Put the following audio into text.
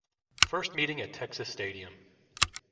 First meeting at Texas Stadium.